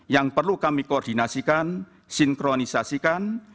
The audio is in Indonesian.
yang perlu kami koordinasikan sinkronisasikan